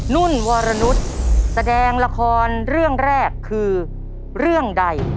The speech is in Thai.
นุ่นวรนุษย์แสดงละครเรื่องแรกคือเรื่องใด